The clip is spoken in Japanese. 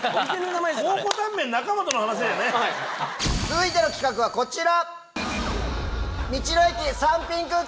続いての企画はこちら！